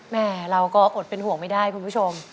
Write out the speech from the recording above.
แม่เราก็อดเป็นห่วงไม่ได้คุณผู้ชม